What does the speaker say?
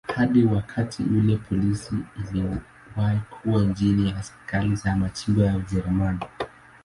Hadi wakati ule polisi iliwahi kuwa chini ya serikali za majimbo ya Ujerumani.